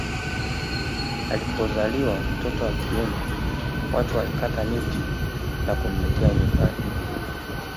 Apozaliwa mtoto wa kiume watu walikata miti na kumletea nyumbani